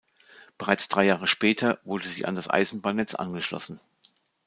Bereits drei Jahre später wurde sie an das Eisenbahnnetz angeschlossen.